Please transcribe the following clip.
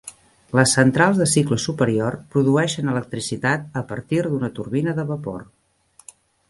Les centrals de cicle superior produeixen electricitat a partir d'una turbina de vapor.